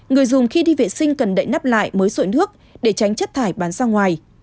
người dùng khi đi vệ sinh cần đậy nắp lại mới sội nước để tránh chất thải bán ra ngoài